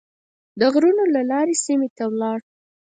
د غرونو له لارې سیمې ته ولاړ.